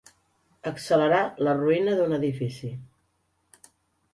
Accelerar la ruïna d'un edifici.